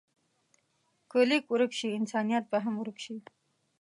که لیک ورک شي، انسانیت به هم ورک شي.